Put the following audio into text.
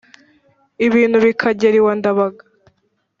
ibintu bikagera iwa ndabaga